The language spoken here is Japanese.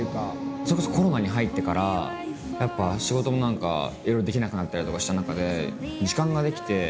それこそコロナに入ってからやっぱ仕事も何かいろいろできなくなったりとかした中で時間ができて。